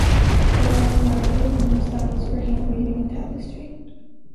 There are a variety of loom styles for hand weaving and tapestry.